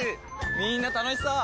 みんな楽しそう！